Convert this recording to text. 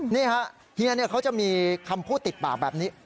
นี่ฮะเฮียเขาจะมีคำพูดติดปากแบบนี้